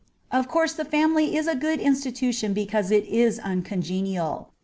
Of course the family is a good institution because it is uncongenial.